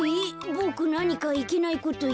ボクなにかいけないこといった？